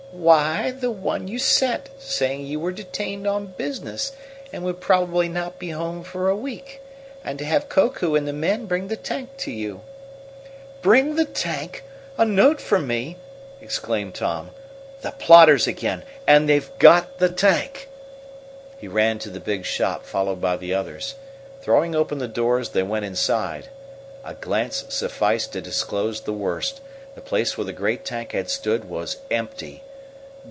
"Why, the one you sent saying you were detained on business and would probably not be home for a week, and to have Koku and the men bring the tank to you." "Bring the tank! A note from me!" exclaimed Tom. "The plotters again! And they've got the tank!" He ran to the big shop followed by the others. Throwing open the doors, they went inside. A glance sufficed to disclose the worst. The place where the great tank had stood was empty.